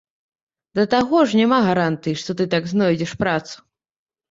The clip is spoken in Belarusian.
Да таго ж, няма гарантыі, што ты так знойдзеш працу.